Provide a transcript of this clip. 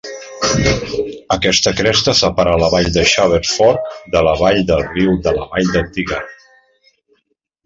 Aquesta cresta separa la vall de Shavers Fork de la vall del Riu de la Vall de Tygart.